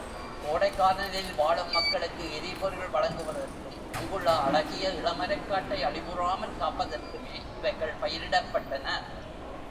கோடைக்கானலில் வாழும் மக்களுக்கு எரிபொருள் வழங்குவதற்கும், அங்குள்ள அழகிய இளமரக் காட்டை அழிவுறாமல் காப்பதற்குமே இவைகள் பயிரிடப்பட்டன.